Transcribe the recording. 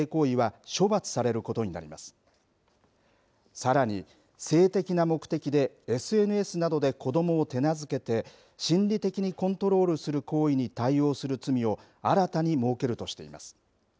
さらに性的な目的でＳＮＳなどで子どもを手なずけて心理的にコントロールする行為に対応する罪を新たに設けるとしています。